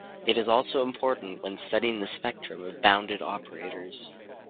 It is also important when studying the spectrum of bounded operators.